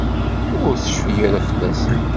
Ur tecfi ara fell-asen.